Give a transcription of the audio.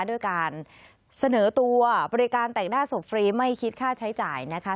ด้วยการเสนอตัวบริการแต่งหน้าศพฟรีไม่คิดค่าใช้จ่ายนะคะ